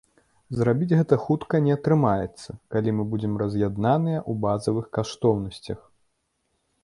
Зрабіць гэта хутка не атрымаецца, калі мы будзем раз'яднаныя ў базавых каштоўнасцях.